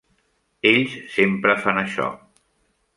Ells sempre fan això.